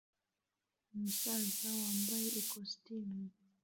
Umusaza wambaye ikositimu